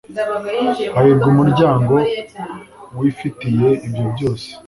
Hahirwa umuryango wifitiye ibyo byose